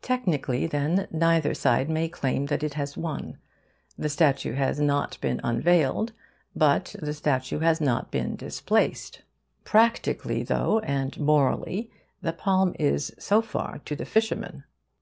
Technically, then, neither side may claim that it has won. The statue has not been unveiled. But the statue has not been displaced. Practically, though, and morally, the palm is, so far, to the fishermen.